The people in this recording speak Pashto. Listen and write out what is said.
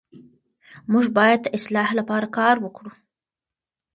موږ باید د اصلاح لپاره کار وکړو.